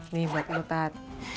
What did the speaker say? limbat lu tat